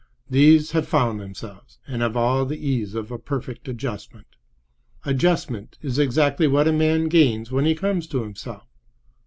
These have "found themselves," and have all the ease of a perfect adjustment. Adjustment is exactly what a man gains when he comes to himself.